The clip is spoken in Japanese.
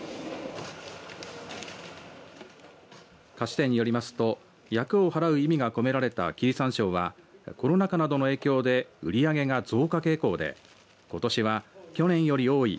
菓子店によりますと厄をはらう意味が込められた切山椒はコロナ禍などの影響で売り上げが増加傾向でことしは去年より多い